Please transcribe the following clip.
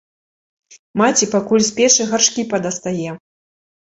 Маці пакуль з печы гаршкі падастае.